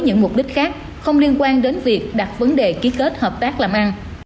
những mục đích khác không liên quan đến việc đặt vấn đề ký kết hợp tác làm ăn